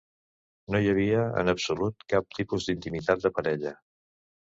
No hi havia, en absolut, cap tipus d'intimitat de parella.